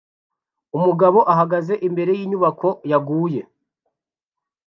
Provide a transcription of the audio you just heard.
Umugabo ahagaze imbere yinyubako yaguye